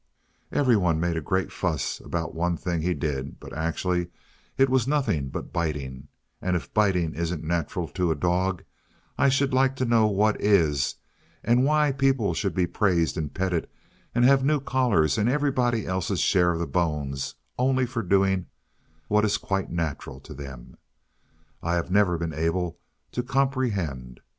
Every one made a great fuss about one thing he did, but actually it was nothing but biting; and if biting isn't natural to a dog, I should like to know what is; and why people should be praised and petted, and have new collars, and everybody else's share of the bones, only for doing what is quite natural to them, I have never been able to comprehend.